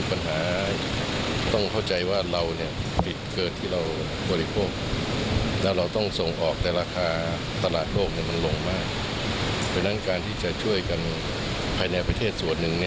เพราะฉะนั้นการที่จะช่วยกันภายในประเทศส่วนหนึ่ง